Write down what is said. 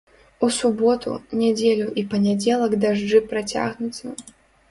У суботу, нядзелю і панядзелак дажджы працягнуцца.